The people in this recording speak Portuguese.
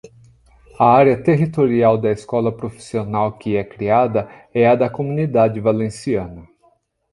A área territorial da escola profissional que é criada é a da Comunidade Valenciana.